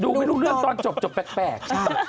ไม่รู้เรื่องตอนจบแปลก